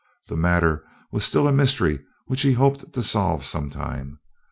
That matter was still a mystery which he hoped to solve sometime.